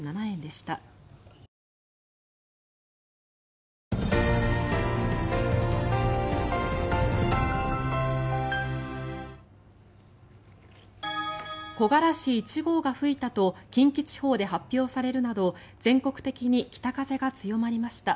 木枯らし一号が吹いたと近畿地方で発表されるなど全国的に北風が強まりました。